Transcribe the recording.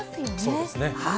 そうですね。